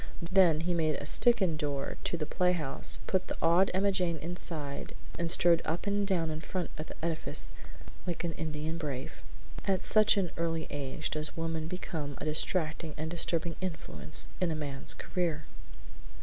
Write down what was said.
Then he made a "stickin'" door to the play house, put the awed Emma Jane inside and strode up and down in front of the edifice like an Indian brave. At such an early age does woman become a distracting and disturbing influence in man's career!